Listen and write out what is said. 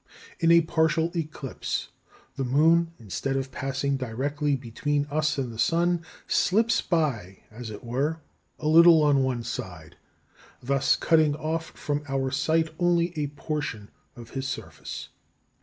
In a partial eclipse, the moon, instead of passing directly between us and the sun, slips by, as it were, a little on one side, thus cutting off from our sight only a portion of his surface.